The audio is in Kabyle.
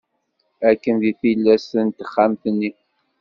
Akken deg tillas n texxamt-nni.